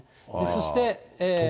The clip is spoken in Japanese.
そして。